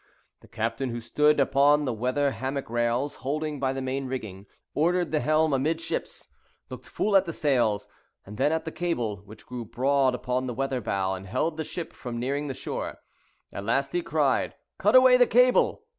The captain, who stood upon the weather hammock rails, holding by the main rigging, ordered the helm a midships, looked full at the sails, and then at the cable, which grew broad upon the weather bow, and held the ship from nearing the shore. At last he cried, "Cut away the cable!"